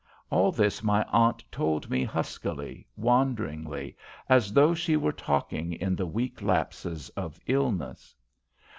All this my aunt told me huskily, wanderingly, as though she were talking in the weak lapses of illness.